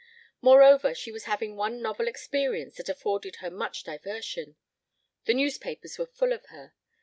Moreover, she was having one novel experience that afforded her much diversion. The newspapers were full of her.